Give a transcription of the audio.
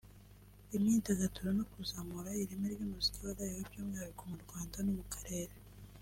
imyidagaduro no kuzamura ireme ry’umuziki wa live by’umwihariko mu Rwanda no mu karere